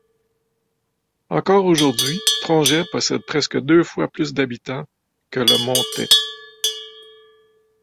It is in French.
Encore aujourd'hui, Tronget possède presque deux fois plus d'habitants que Le Montet.